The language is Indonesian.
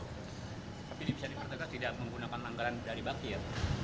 tapi bisa dipertegas tidak menggunakan anggaran dari bakti ya